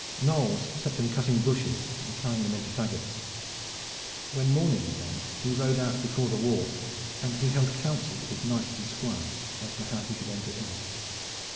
Knolles set them cutting bushes and tying them into fagots. When morning came he rode out before the wall and he held counsel with his knights and squires as to how he should enter in.